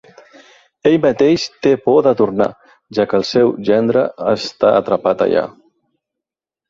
Ell mateix té por de tornar, ja que el seu gendre està atrapat allà.